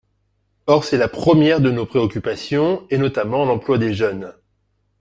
Or c’est la première de nos préoccupations, et notamment l’emploi des jeunes.